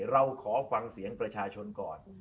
เราขอฟังเสียงประชาชนก่อน